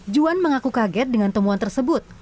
juan mengaku kaget dengan temuan tersebut